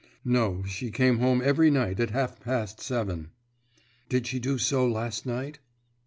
"No; she came home every night at half past seven." "Did she do so last night?"